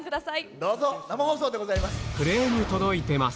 どうぞ、生放送でございます。